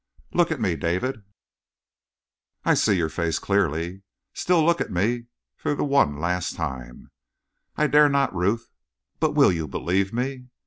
"Look at me, David!" "I see your face clearly." "Still, look at me for the one last time." "I dare not, Ruth!" "But will you believe me?"